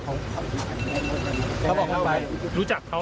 เล็คที่สมไม่ได้ไทยฝ่า